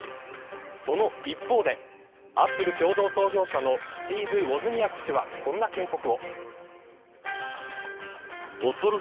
その一方でアップル共同創業者のスティーブ・ウォズニアック氏はこんな警告を。